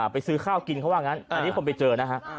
ไปซื้อข้าวกินเพราะว่านั้นอันนี้ผมไปเจอนะครับ